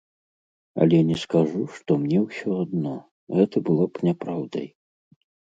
Але не скажу, што мне ўсё адно, гэта было б няпраўдай.